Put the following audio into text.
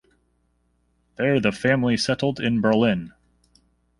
There the family settled in Berlin.